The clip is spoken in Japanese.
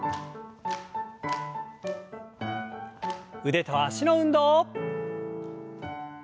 腕と脚の運動。